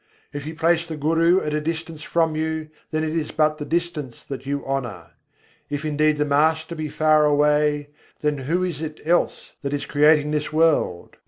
If you place the Guru at a distance from you, then it is but the distance that you honour: If indeed the Master be far away, then who is it else that is creating this world?